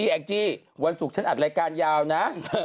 แองจี้วันศุกร์ฉันอัดรายการยาวนะ